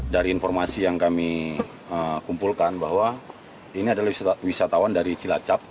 dari informasi yang kami kumpulkan bahwa ini adalah wisatawan dari cilacap